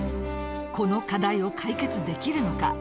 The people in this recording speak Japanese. この課題を解決できるのか？